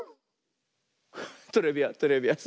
トレビアントレビアン。